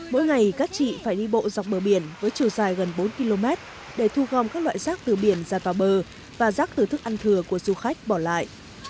mỗi ngày các chị phải đi bộ dọc bờ biển với chiều dài gần bốn km để thu gom các loại rác từ biển rat vào bờ và rác từ thức ăn thừa của du khách bỏ lại